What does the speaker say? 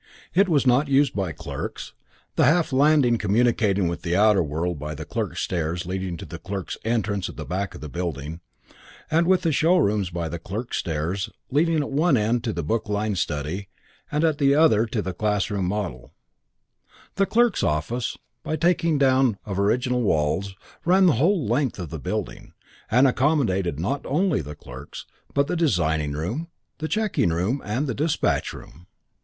It was not used by the clerks, the half landing communicating with the outer world by the clerks' stairs leading to the clerks' entrance at the back of the building, and with the showrooms by the clerks' stairs leading at one end to the book lined study and at the other to the model classroom. The clerks' office, by the taking down of original walls, ran the whole length of the building, and accommodated not only the clerks, but the designing room, the checking room and the dispatch room.